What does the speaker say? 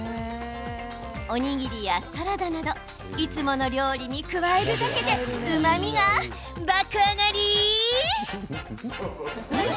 おにぎりやサラダなどいつもの料理に加えるだけでうまみが爆上がり！